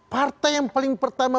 partai yang paling pertama